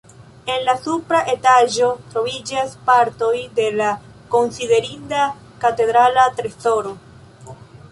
En la supra etaĝo troviĝas partoj de la konsiderinda katedrala trezoro.